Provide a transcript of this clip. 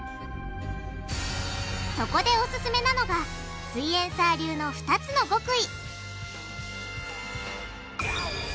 そこでオススメなのがすイエんサー流の２つの極意！